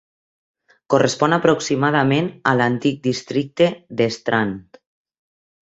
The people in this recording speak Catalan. Correspon aproximadament a l'antic districte de Strand.